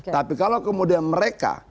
tapi kalau kemudian mereka